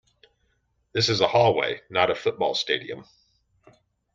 This is a hallway, not a football stadium!